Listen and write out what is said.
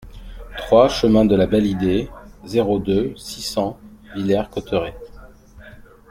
trois chemin de la Belle Idée, zéro deux, six cents Villers-Cotterêts